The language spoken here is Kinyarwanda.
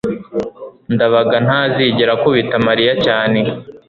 ndabaga ntazigera akubita mariya cyane